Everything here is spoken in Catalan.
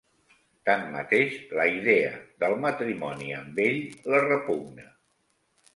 Tanmateix, la idea del matrimoni amb ell la repugna.